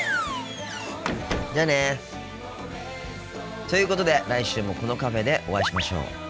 じゃあね。ということで来週もこのカフェでお会いしましょう。